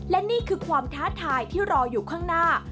และนี่คือความท้าทายที่รออยู่ข้างหน้า